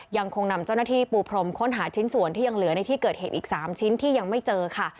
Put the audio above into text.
ยังคงนำเจ้าหน้าที่ปูพรมค้นหาชิ้นส่วนที่ยังเหลือในที่เกิดเหตุอีก๓ชิ้นที่ยังไม่เจอค่ะ